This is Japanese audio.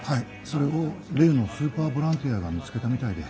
それを例のスーパーボランティアが見つけたみたいで。